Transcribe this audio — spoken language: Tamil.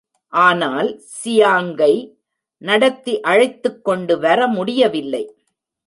ஆனால் சியாங்கை நடத்தி அழைத்துக்கொண்டு வரமுடியவில்லை.